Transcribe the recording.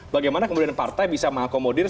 bagaimana kemudian partai bisa mengakomodir